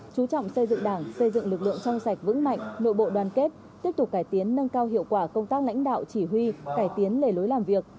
chú trọng xây dựng đảng xây dựng lực lượng trong sạch vững mạnh nội bộ đoàn kết tiếp tục cải tiến nâng cao hiệu quả công tác lãnh đạo chỉ huy cải tiến lề lối làm việc